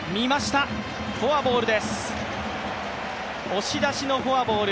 押し出しのフォアボール。